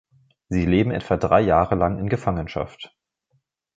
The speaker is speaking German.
Sie leben etwa drei Jahre lang in Gefangenschaft.